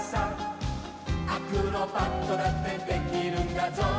「アクロバットだってできるんだぞ」